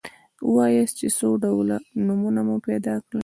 ووایاست چې څو ډوله نومونه مو پیدا کړل.